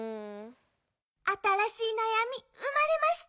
あたらしいなやみうまれました！